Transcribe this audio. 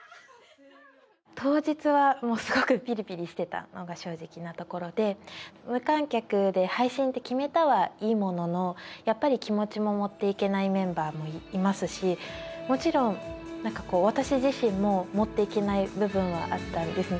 当日はもうすごくピリピリしてたのが正直なところで無観客で配信って決めたはいいもののやっぱり気持ちも持っていけないメンバーもいますしもちろん何かこう私自身も持っていけない部分はあったんですね